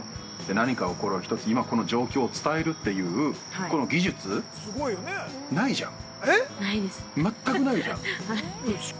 何か起こる、今この状況を伝えるっていう技術、ないじゃん。